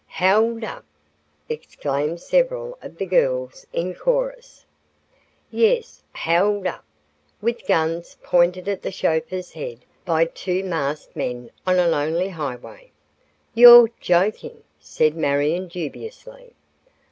"Held up!" exclaimed several of the girls in chorus. "Yes, held up, with guns pointed at the chauffeur's head by two masked men on a lonely highway." "You're joking," said Marion, dubiously.